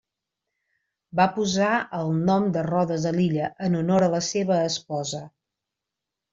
Va posar el nom de Rodes a l'illa, en honor a la seva esposa.